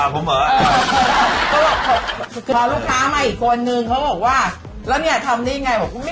ก็ขอลูกค้ามาอีกคนนะ